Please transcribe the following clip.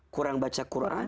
kurang baca quran